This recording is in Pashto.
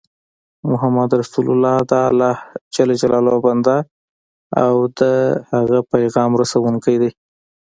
محمد رسول الله دالله ج بنده او د د هغه پیغام رسوونکی دی